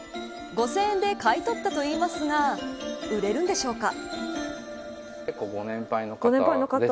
５０００円で買い取ったといいますが売れるんでしょうか。